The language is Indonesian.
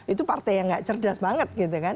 itu partai yang tidak cerdas sekali